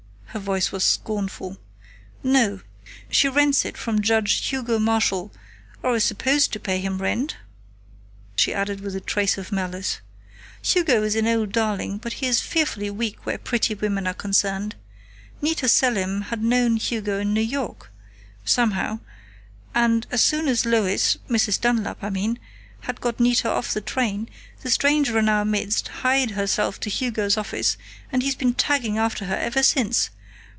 Her voice was scornful. "No. She rents it from Judge Hugo Marshall or is supposed to pay him rent," she added with a trace of malice. "Hugo is an old darling, but he is fearfully weak where pretty women are concerned. Nita Selim had known Hugo in New York somehow and as soon as Lois Mrs. Dunlap, I mean had got Nita off the train, the stranger in our midst hied herself to Hugo's office and he's been tagging after her ever since....